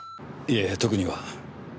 いえ特には。